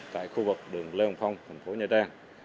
tại khu vực đường lê hồng phong thành phố nha trang